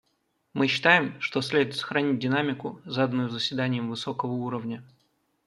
Мы считаем, что следует сохранить динамику, заданную Заседанием высокого уровня.